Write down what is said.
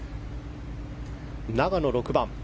永野、６番。